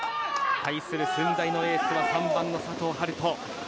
対する駿台のエースは３番の佐藤遥斗。